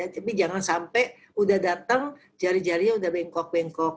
tapi jangan sampai udah datang jari jarinya udah bengkok bengkok